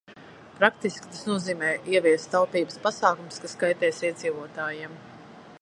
Praktiski tas nozīmē ieviest taupības pasākumus, kas kaitēs iedzīvotājiem.